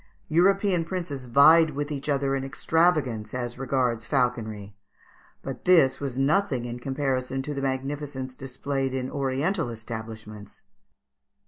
European princes vied with each other in extravagance as regards falconry; but this was nothing in comparison to the magnificence displayed in oriental establishments.